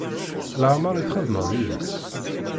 Leɛmeṛ i txedmem yid-s?